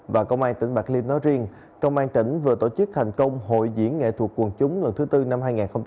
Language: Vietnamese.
và công an tỉnh bạc liêu nói riêng công an tỉnh vừa tổ chức thành công hội diễn nghệ thuật quần chúng lần thứ tư năm hai nghìn hai mươi